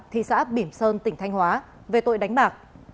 thị xã bỉm sơn tỉnh thanh hóa về tội đánh bạc